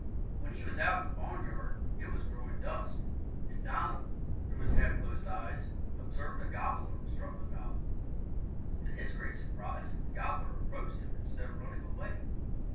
When he was out in the barnyard it was just growing dusk, and Donald, through his half closed eyes, observed a gobbler strutting about. To his great surprise the gobbler approached him instead of running away.